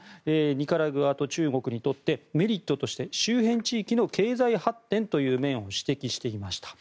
ニカラグアと中国にとってメリットとして周辺地域の経済発展という面を指摘していました。